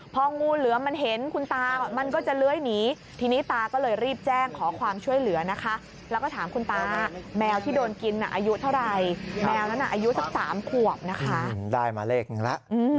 พองูเหลือมันเห็นคุณตามันก็จะเลื้อยหนีทีนี้ตาก็เลยรีบแจ้งขอความช่วยเหลือนะคะแล้วก็ถามคุณตาแมวที่โดนกินอายุเท่าไหร่แมวนั้นอายุสัก๓ขวบนะคะได้มาเลขหนึ่งแล้ว